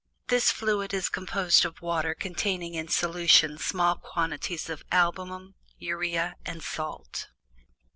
This fluid is composed of water carrying in solution small quantities of albumin, urea, and salt.